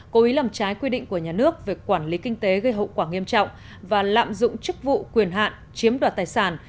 cố ý làm trái quy định của nhà nước về quản lý kinh tế gây hậu quả nghiêm trọng và lạm dụng chức vụ quyền hạn chiếm đoạt tài sản